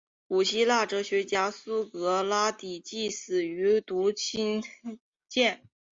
古希腊哲学家苏格拉底即死于毒芹碱。